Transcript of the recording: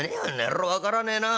分からねえなええ？